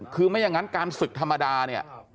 คือไม่อย่างนั้นการศึกธรรมดาเนี่ย